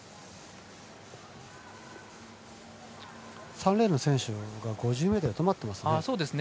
３レーンの選手のほうが５０で止まってますね。